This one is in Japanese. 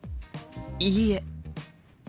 いいえ。